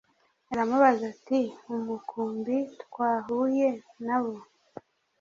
aramubaza ati umukumbi twahuye nabo